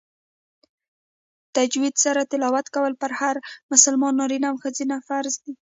تجوید سره تلاوت کول په هر مسلمان نارینه او ښځینه فرض دی